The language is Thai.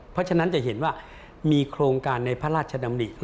เพราะฉะนั้นจะเห็นว่ามีโครงการในพระราชดำริ